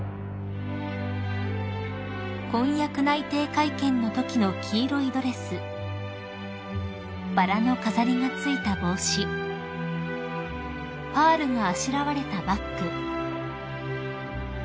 ［婚約内定会見のときの黄色いドレスバラの飾りが付いた帽子パールがあしらわれたバッグ］